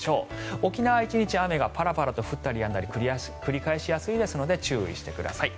沖縄、１日雨がパラパラと降ったりやんだり繰り返しやすいですので注意してください。